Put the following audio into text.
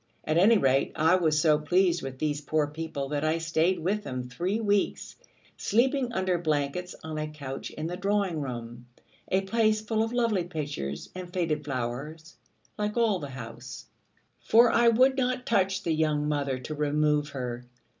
At any rate, I was so pleased with these poor people, that I stayed with them three weeks, sleeping under blankets on a couch in the drawing room, a place full of lovely pictures and faded flowers, like all the house: for I would not touch the young mother to remove her.